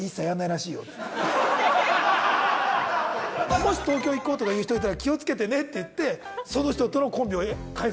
もし東京行こうとか言う人いたら気をつけてねって言ってその人との。